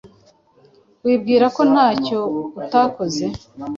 wibwira ko ntacyo utakoze